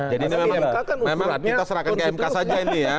jadi ini memang kita serahkan ke mk saja ini ya